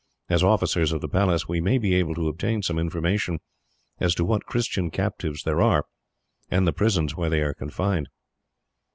As officers of the Palace, we may be able to obtain some information as to what Christian captives there are, and the prisons where they are confined."